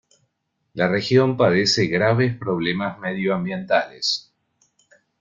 La región padece graves problemas medioambientales.